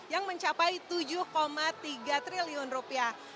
yang mencapai tujuh tiga triliun rupiah